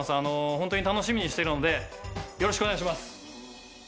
ホントに楽しみにしてるのでよろしくお願いします。